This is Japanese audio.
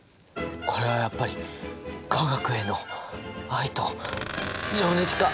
これはやっぱり化学への愛と情熱か！？